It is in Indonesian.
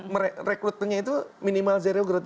merekrutnya itu minimal zero growth